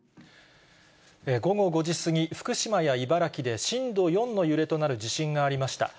午後５時過ぎ、福島や茨城で震度４の揺れとなる地震がありました。